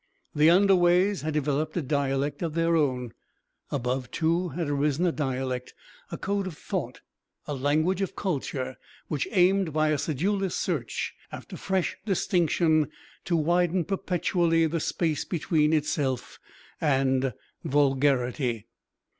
The underways had developed a dialect of their own: above, too, had arisen a dialect, a code of thought, a language of "culture," which aimed by a sedulous search after fresh distinction to widen perpetually the space between itself and "vulgarity."